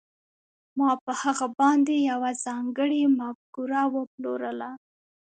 ما په هغه باندې یوه ځانګړې مفکوره وپلورله